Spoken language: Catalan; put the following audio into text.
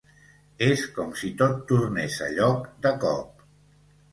És com si tot tornés a lloc de cop.